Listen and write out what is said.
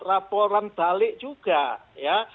raporan balik juga ya